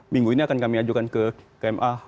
minggu ini akan kami ajukan ke kma